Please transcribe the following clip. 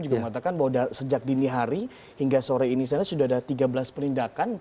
juga mengatakan bahwa sejak dini hari hingga sore ini sana sudah ada tiga belas penindakan